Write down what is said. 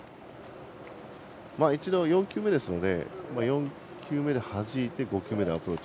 一度、４球目なので４球目ではじいて５球目でアプローチ。